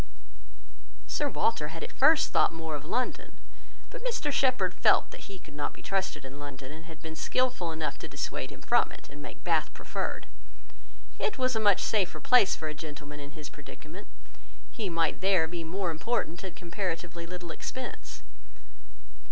Sir Walter had at first thought more of London; but Mr Shepherd felt that he could not be trusted in London, and had been skilful enough to dissuade him from it, and make Bath preferred. It was a much safer place for a gentleman in his predicament: he might there be important at comparatively little expense.